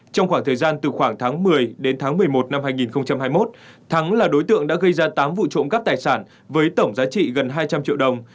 trong khoảng thời gian từ khoảng tháng một mươi đến tháng một mươi một năm hai nghìn hai mươi một thắng là đối tượng đã gây ra tám vụ trộm cắp tài sản với tổng giá trị gần hai trăm linh triệu đồng